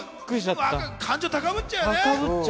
感情、高ぶっちゃうよね。